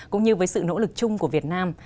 cũng như với sự nỗ lực chung của việt nam